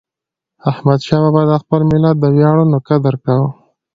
احمدشاه بابا د خپل ملت د ویاړونو قدر کاوه.